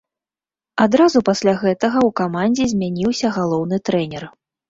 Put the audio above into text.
Адразу пасля гэтага ў камандзе змяніўся галоўны трэнер.